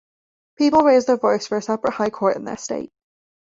People raised their voice for a separate High Court in their state.